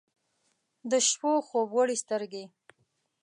د شپو خوب وړي سترګې